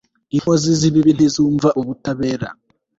inkozi z'ibibi ntizumva ubutabera